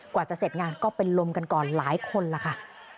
กว่าจะเสร็จงานก็เป็นลมกันก่อนหลายคนล่ะค่ะ